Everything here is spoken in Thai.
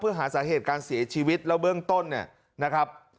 เพื่อหาสาเหตุการเสียชีวิตแล้วเบื้องต้นเนี่ยนะครับ